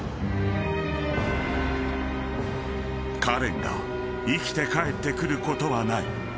［カレンが生きて帰ってくることはない］